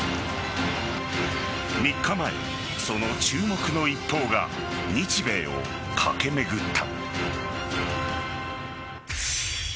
３日前、その注目の一報が日米を駆け巡った。